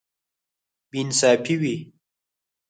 بې انصافي وي.